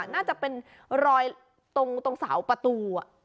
น่าจะเป็นรอยตรงเสาประตู